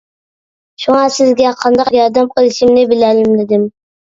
شۇڭا سىزگە قانداق ياردەم قىلىشىمنى بىلەلمىدىم.